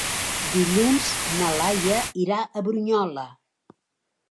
Dilluns na Laia irà a Bunyola.